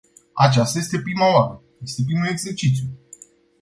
Aceasta este prima oară, este primul exercițiu.